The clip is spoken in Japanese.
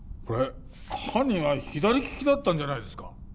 これ犯人は左利きだったんじゃないですか？